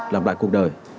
làm lại cuộc đời